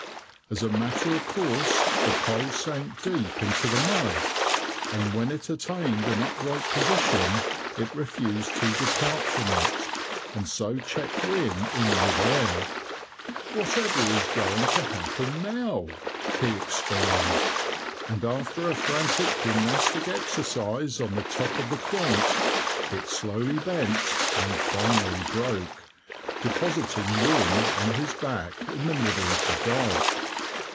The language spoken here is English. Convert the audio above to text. As a matter of course, the pole sank deep into the mud, and when it attained an upright position, it refused to depart from it, and so checked Wynne in mid air. "Whatever is going to happen now?" he exclaimed, and after a frantic gymnastic exercise on the top of the quant, it slowly bent, and finally broke, depositing Wynne on his back in the middle of the dyke.